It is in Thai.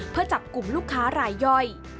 เพื่อจับกลุ่มลูกค้ารายย่อย